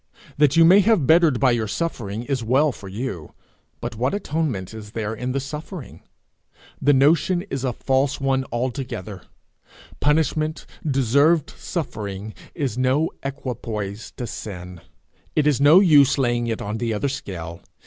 That you may have bettered by your suffering is well for you, but what atonement is there in the suffering? The notion is a false one altogether. Punishment, deserved suffering, is no equipoise to sin. It is no use laying it in the other scale.